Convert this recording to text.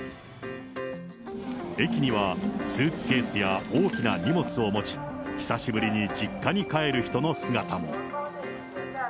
駅には、スーツケースや大きな荷物を持ち、久しぶりに実家に帰る人の姿も。